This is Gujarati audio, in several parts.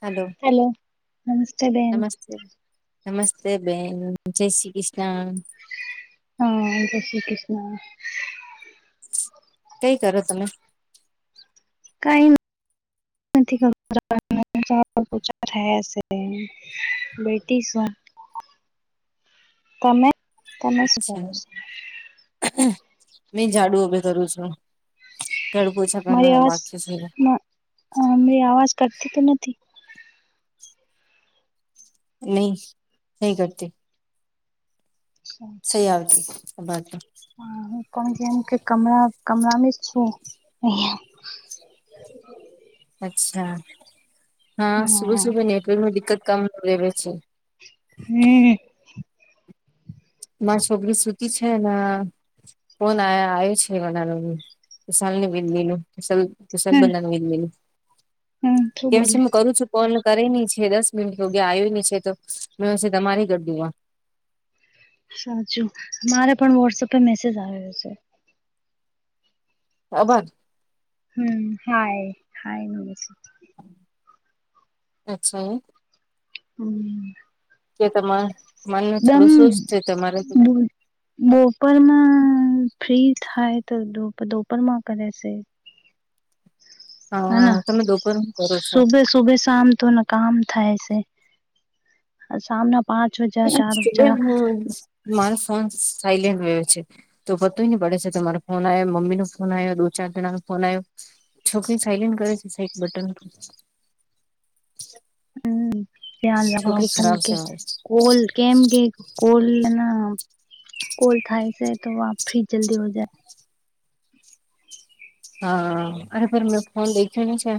હલો હેલો નમસ્તે બેન. નમસ્તે નમસ્તે બેન જય શ્રી કૃષ્ણ. હા જય શ્રી કૃષ્ણ. કઈ કરો તમે કઈ નથી ખબર [unintelligible] બેટી શુ [inaudible] તમે તમે શુ કરો છો? મે જાડુ ઉભે કરું છું જાડુ પુછા પહેલા ના બાકી છે. મે અવાજ કરતી તો નથી. નહી નહી કરતી સહી આવતી બાતા. હા હું પણ કેમ કે કમરા કમરામાં છું અહં. અચ્છા હા સુબ હમ સુબ નેટવર્કમાં દિક્કત કમ રેવે છે. હમ્મ મા છોકરી સુતી છે ન ફોન આય આયો છે ઘનાનું સાલની બિડી નુ [unintelligible] હમ હમ શું કે પછી બોલે હું કરું છુ. ફોન કરેની છે દસ મિનિટ ગે આવીની છે, તો મે હશે તમારી ઘરદીવા સાચું મારે પણ વોટ્સઅપે મેસેજ આવેયો છે. અભાર હમ હાય હાય મ છે. અચ્છા એ હમ. કે તમાર મન ન દમ થોડું શું જ છે, તમારે બોલ બપોરમાં ફ્રી થાય તોપોરમાં કરે છે. હા તમે દોપહર માં કરો છો. સુભે શામ તોને કામ થાય છે. સામના પાંચ વાજા ચાર વાજા બન હું મારો ફોન સાયલેન્ટ હોયો છે. તોતય ને પડે છે તમારો ફોન આવ્યો મમ્મી નો ફોન આવ્યો દો ચાર જણા ન ફોન આવ્યો છોકરી સાયલેન્ટ કરે છે સાઈ બટન હમ ધ્યાન રાખો છોકરી કેમ ખરાબ કે છે મારી. કોલ કેમ કે કોલ ના કોલ થાય છે, તો ફ્રીજ જલ્દી હોજાય. હા અરે ભ મેં ફોન દેખ્યો ન છે.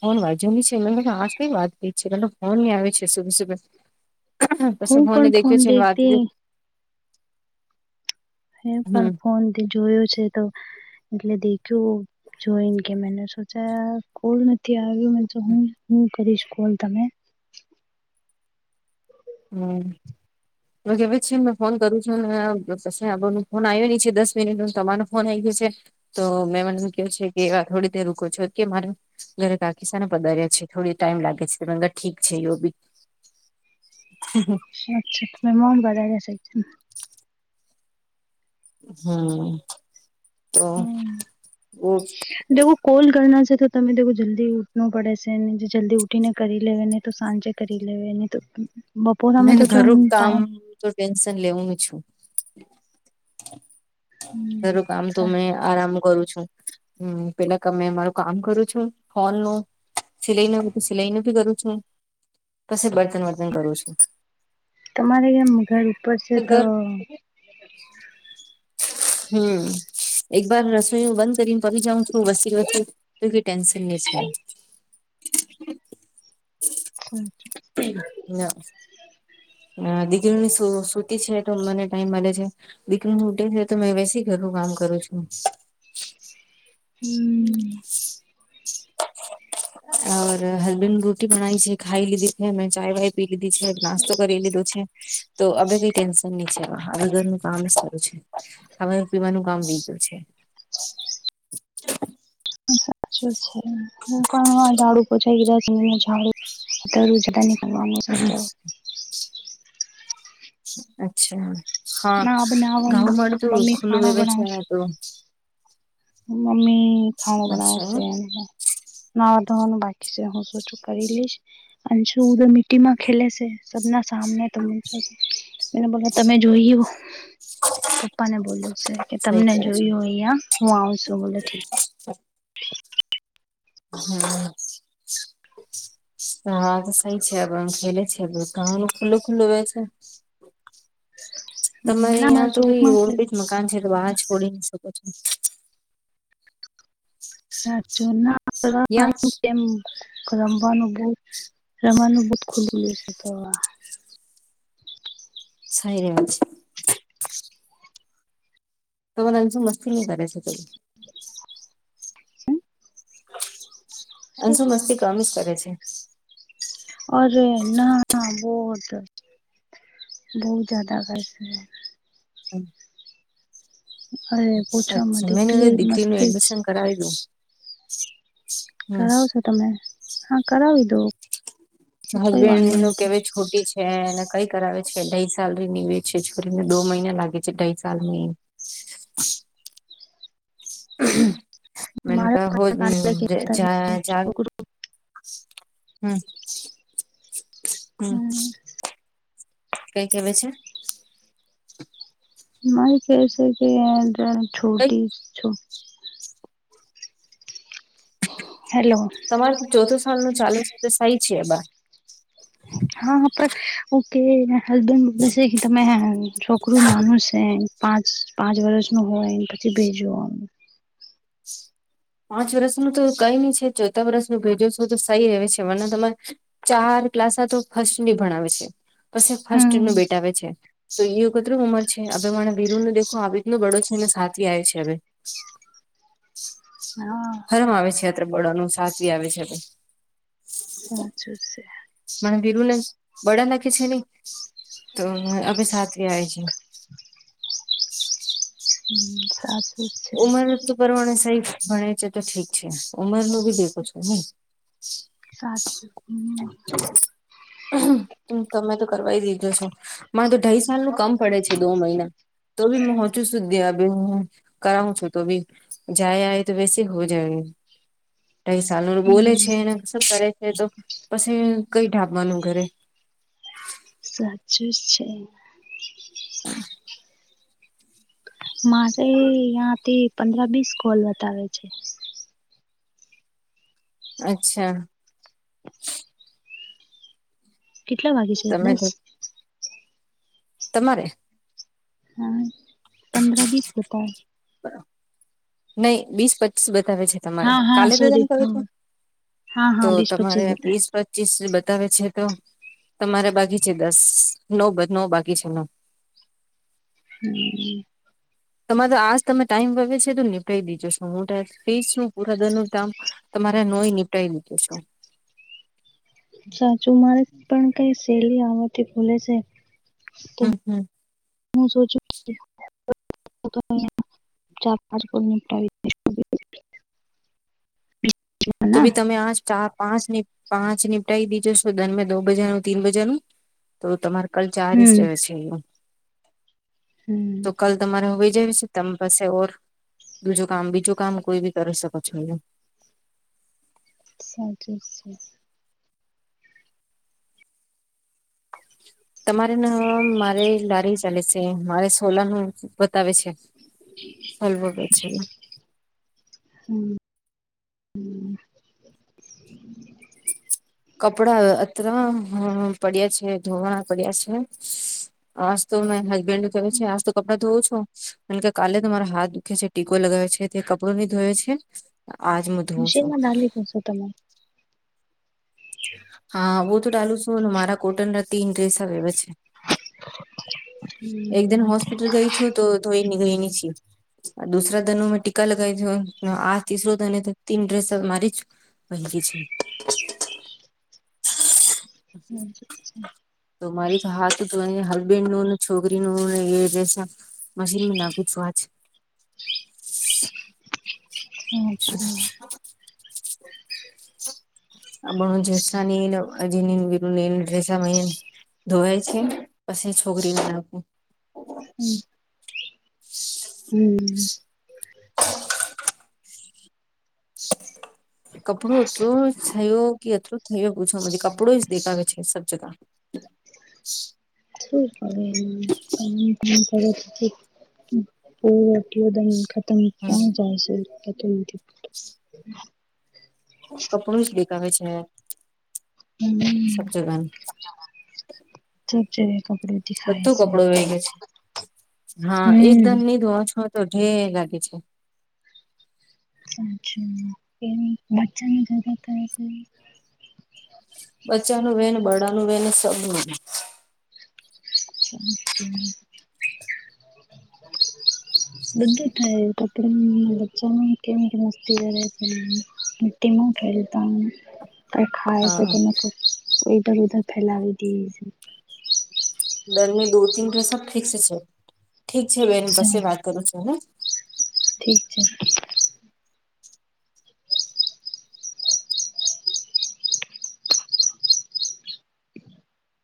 ફોન વાજુની છે એ આ કઈ વાત થ છે ફોન ની આવે છે સુબે સુબે. તો હું સને પણ ફોન દેખ્યો ચનવાતી દેખતી હ હમ પણ ફોનથી જોયયો છે, તો એટલે દેખ્યું જોઈને કે મેને સોચ કો ન થી આવ્યું મ તો હું હું કરીશ કોલ તમે હમ તો કેવી છે મે ફોન કરું છું [unintelligible] ફોન આવ્યો નહી છે દસ મિનિટ તમાર ફોન ગયું છે તો મેં મને એમ ક છે કે થોડી રોકો છો કે મારે ઘરે કાકી સાને પઘાર્યા છે થોડી ટાઈમ લાગે છેર ઠીક છે એવ બી હ હ અચ્છા [unintelligible] હમ તો બ દવ કોલ ગના છે તો તમે દખો જલ્દી ઉઠનું પડે છે, ને જે જલ્દી ઉઠીને કરી લેવા ને તો સાંજે કરી લે તો બપોર સામે મેને તો ટમ ઘરું કામ તો ટેન્શન લેવું છુ. તરું કામ તો હમ મેં આરામ કરું છુ. હમ પેલા તમે અમારું કામ કરું છું હોલ નું સિલાઈ ન બું સિલાઈ નું ભી કરું છું પછી બર્તન વર્તન કરું છુ. તમારે જેમ ઘર ઉપર છે, તો ઘર હમ એક બર રસોઈ બંધ કરીને પડી જાઉં છું વસ્તી વસ્તી તુંકી ટન્શન લ છ. હ ના. ના દીકરીની સુ સુતી છે તો મને ટાઈમ મળે છે. દીકરી હુતી છે તો મે વેસી ઘરનું કામ કરું છું. હમ. આ મારા હસબન્ડ રોટી બનાઈ છે, ખાઈ લીધી છે મેં ચાય વાય પી લીધી છે, નાસ્તો કરી લીધો છે. તો અવે કઈ ટેન્શન ની છે વહા હવે ઘરનું કામ કરવું છે. ખાવાનું પીવાનું કામ વીગયું છે. [unintelligible] ઝાડું પોછા લીધા છે [unintelligible] કરવાનું સે તો અચ્છા હા ના ઘઉં બનાવાનું મળતું મમ્મી ખુલ્લું ખાણો વેવે છે ને બનાવશે તો મમ્મી ખાવા અચ્છા બનાવશે ને, નાવા ધોવાનું બાકી છે હું બધું કરી લઈશ અંશુ ઉધર મીટીમાં ખેલે સે. સબના સામને તમે એના બળે તમે જોઈયુ પપ્પા ને બોલે સે કે સહી તમને કરે છે જોયું અહીંયા હું આવ સુ બોલે ઠીક [inaudible] હમ. હા તો સહી છે [unintelligible] ખેલે છે [unintelligible] નું ખુલ્લું ખુલ્લું વે છે. [inaudible] તમારે ના યાં મારા તો કઈ રોડ પેજ ચોકમાં મકાન છે, તો વાહા છોડીન શકો છો. સાચું ના યાં [unintelligible] કેમ રમવાનું બઉ, રમવાનું બઉ ખુલ્લું ખુલ્લું છે તો સહી રે છે. તો અમાર અંશુ મસ્તી ની કરે છે તઈ. [inaudible] અંશુ મસ્તી કમ જ કરે છે. અરે ના બઉ વધે બઉ જાડા કરશે. સેમ. અરે પૂછો મત અચ્છા, મેને ઓલી એટલી દીપ્તિનું મસ્તી એડમિશન કરાવેલું. કરાવો સો તમે, હા કરાવી દો. કઈ હસબેન્ડ વાંધો નું નથી કેવે છો ખોટી છે અને કઈ કરાવે છે ધઈ સાલરીની વે છે છોરીને દો મહિને લાગે છે ધઈ સાલની મેને મારે કહા પણ કાલે [unintelligible] જા કેતા જા છોકરું હમ, હમ. કઈ કેવે છે? મારે કેવું સે કે [unintelligible] કઈ છોટી છો હેલો. તમારે ચોથું સાલનો ચાલુ છે તો સઈ છે એ બા. હા, આપરે ઓકે. હસબન્ડ બોલે સે કે તમે છોકરું નાનું સે. પાંચ, પાંચ વર્ષનું હોયન પછી ભેજો. પાંચ વર્ષનું તો કઈની છે, ચોથા વર્ષમાં ભેજો સો તો સહી રેવે છે વરના તમાર ચાર ક્લાસા તો ફર્સ્ટની ભણાવે છે પસ હમ ફર્સ્ટનુ બેટાવે છે તો ઈ વખત કેટરુ ઉંમર છે અભેભઈના વીરુને દેખો આવીતનો ઘડો છે ને સાથીવી આય છે હવે હા હરમ આવે છે અત્ર બળોનું સાથવી આવે છે તે સાચું છે. મને કીધું ને બધા નાખે છે ને તો હવે સાત્વી આય છે. હમ, સાત ઉમર તો પરમાણે સહી ભણે છે તો ઠીક છે, ઉમર નું બી દેખું છો ન. [inaudible] છે સાચું હમ તમે તો કરવાય દીધો છો મારે તો ઢાઈ સાલ નું કામ પડે છે દો મહિના. તો બી મોહોંચું સુધી આવે હ કરઉ છું તો ભી જાયય તો વેસે હો જાય. કઈ સલ બોલે હમ છેને શ કરે છે તો પછી કઈ ઢાબવાનું ઘરે. સાચી છે. મારે યાંથી પંદ્ર બીસ ગલ બતાવે છે. અચ્છા. કેટલા વાગે છે તમે દસ તો તમારે? હા પંદ્રહ બીસ જતા. નહી બીસ પચીસ બતાવે છે. તમારે હા હા કાલે બે સોરી કર હા હા હા તો બીસ પચીસ તમારે બતા બીસ. ીસ બતાવે છે તો તમારે બાકી છે દસ નવ નવ બાકી છે ન. હમ. તમારો આજ તમે ટાઈમ વગ છે તો નીપી દીજો શું મોટા ફીસ નું પુરાદરનું કામ. તમારે નોય નીપી લીધો છે. સાચું મારે પણ કઈ શેલી આવથી ખુલે છે. તો હમ હમ. હું સોચું. ચાર [unintelligible] તો ભી તમે આ પાંચ પાંચ નિનીપટાઈી દીજો છો ધન દો બજારનું તીન બજાનું તો તમારે કલ જાારી જ હમ રહ્યો છે અ તો હમ કલ તમારે હોઈ જાય છે તમે પાસે ઓર બુજું કામ બીજું કામ કોઈ બી કરી શકો છો. અચ્છ જી છે. તમારે ના મારે લારી ચાલે છે મારે સોલા નું બતાવે છે. સ્વલ્ભ પ છેલા. હમ. હમ. કપડા અત્રરા પડ્યા છે ધોવાણા પડ્યા છે. આજ તો મેં હસબન્ડ ને કહ છે આજ તો કપડાં ધોવો છો એણ કે કાલે તમારો હાથ દુખે છે ટીકો લગાવે છે તે કપડું નહી ધોવે છે આજ મુ મશીન માં ના લીધું છ તમે? હા બહ તો ડાલું શું ને મારા કોટન ના તીન ડ્રેસ હવે એવે છે. એક જણ હોસ્પિટલ ગઈ છો તો થોઈ ગઈ ની છી. દુસરા ધનો મેં ટીકા લગી આ તીસરો ધને તીન ડ્રેસ મારી પકે છે. હમ. તો મારી તો હાથ તરી હસબેન્ડ નુંને છોકરી નુંને એ રહેશે. મશીનમાં ના પૂછ આજ. [unintelligible] [unintelligible] [inaudible] [unintelligible] ધોવાય છે પછી છોકરીને નાખું હમ. [inaudible] હમ [inaudible] કપડું. [unintelligible] [inaudible] શું કરે? [inaudible] [unintelligible] હમ કોણ જાય છે? કપડું જ દેખાવે છે, હમ સ્વચ્છતા [inaudible] બધું છે કપડું વેગે છે, હા હમ એકદમ નહીધો છોતો ઢેર લાગે છે, અચ્છા એ બચ્ચાની કરી કરી, બચ્ચાનું વેન, બડાનું વેન, સબનું વેન. [inaudible] [unintelligible] [inaudible] બધું થાય કપડાં બચ્ચામાં કેમ કે મસ્તી કરે છે, ટીમું ખેલતા હોય, હ [inaudible] તો ખાય છે, તમે ઉધર ઉધર ફેલાવી દઈ છે. દરની દુધી તને પ્રસા ફિક્સ છે, ઠીક છે, બેન પાસે ચાલ વાત કરું છું, હવે ઠીક છે.